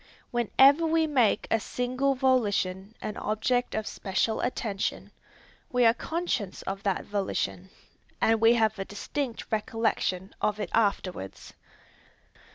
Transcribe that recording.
Whenever we make any single volition an object of special attention, we are conscious of that volition, and we have a distinct recollection of it afterwards.